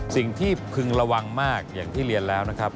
พึงระวังมากอย่างที่เรียนแล้วนะครับ